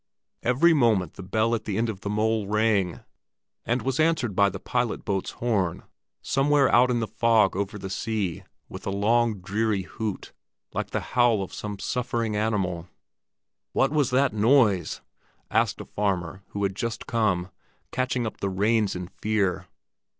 Every moment the bell at the end of the mole rang, and was answered by the pilot boat's horn somewhere out in the fog over the sea, with a long, dreary hoot, like the howl of some suffering animal. "What was that noise?" asked a farmer who had just come, catching up the reins in fear.